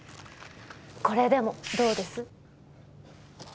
これでもどうです？